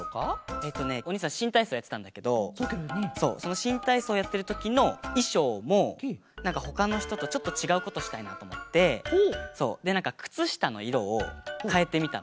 えっとねおにいさんしんたいそうやってたんだけどそうそのしんたいそうやってるときのいしょうもなんかほかのひととちょっとちがうことしたいなとおもってでなんかくつしたのいろをかえてみたの。